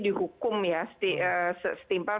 dihukum ya setimpal